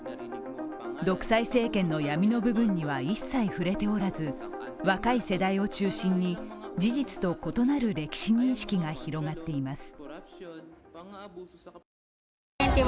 独裁政権の闇の部分には一切触れておらず、若い世代を中心に事実と異なる歴史認識が広がっています。